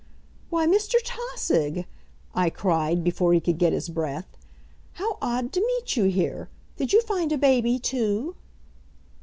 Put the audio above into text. "Why, Mr. Tausig," I cried, before he could get his breath. "How odd to meet you here! Did you find a baby, too?"